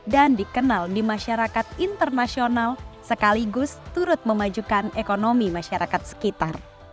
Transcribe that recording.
dan dikenal di masyarakat internasional sekaligus turut memajukan ekonomi masyarakat sekitar